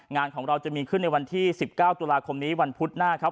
งานของเราจะมีขึ้นในวันที่๑๙ตุลาคมนี้วันพุธหน้าครับ